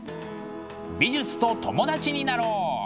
美術と友達になろう。